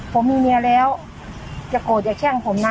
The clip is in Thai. ผมมีเมียแล้วอย่าโกรธอย่าแช่งผมนะ